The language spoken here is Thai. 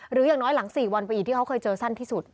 อย่างน้อยหลัง๔วันไปอีกที่เขาเคยเจอสั้นที่สุด